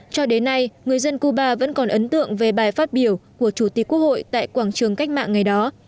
cho đến nay người dân cuba vẫn còn ấn tượng về bài phát biểu của chủ tịch quốc hội tại quảng trường cách mạng ngày đó